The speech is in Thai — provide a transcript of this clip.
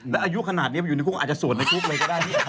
แล้วอายุขนาดนี้มันอยู่ในคุกอาจจะสวดในคุกเลยก็ได้